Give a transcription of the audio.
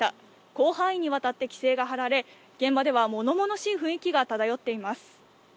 広範囲にわたって規制が張られ、現場ではものものしい雰囲気が漂っています。